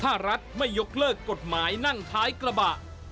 ถ้ารัฐไม่ยกเลิกกฎหมายนั่งท้ายกระบะ